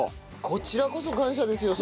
こちらこそ感謝ですよ